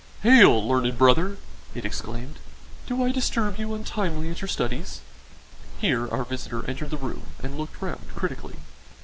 "Hail, learned brother!" it exclaimed. "Do I disturb you untimely at your studies?" Here our visitor entered the room and looked round critically.